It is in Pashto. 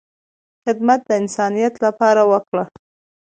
خدمت د انسانیت لپاره وکړه،